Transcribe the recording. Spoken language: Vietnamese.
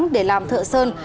để làm thợ sơn